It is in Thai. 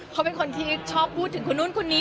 เขาเป็นคนที่ชอบพูดถึงคนนู้นคนนี้